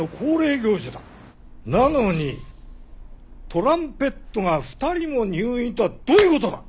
なのにトランペットが２人も入院とはどういう事だ！